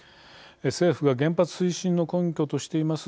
政府が原発推進の根拠としています